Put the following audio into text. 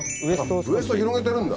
あっウエスト広げてるんだ。